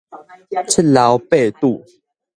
七老八拄